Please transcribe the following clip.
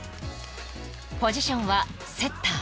［ポジションはセッター］